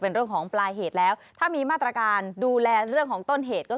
เป็นเรื่องของปลายเหตุแล้วถ้ามีมาตรการดูแลเรื่องของต้นเหตุก็คือ